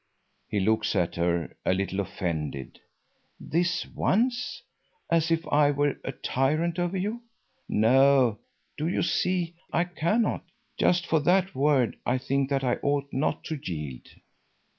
He looks at her, a little offended. "This once!—as if I were a tyrant over you. No, do you see, I cannot; just for that word I think that I ought not to yield."